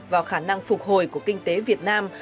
vào khả năng phục hồi của kinh tế việt nam